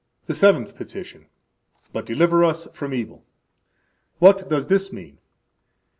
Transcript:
The Seventh Petition. But deliver us from evil. What does this mean?